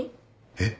えっ？